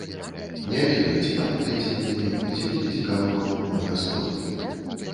Не ведаю, ці памятаеце вы мяне і ці будзе цікавы вам мой расповед.